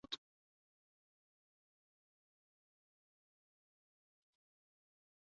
Ni yale magonjwa yanayoonesha dalili katika mfumo wa upumuaji kama alama kuu ya maradhi